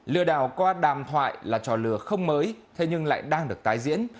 lừa đảo qua đàm thoại là trò lừa không mới thế nhưng lại đang được tái diễn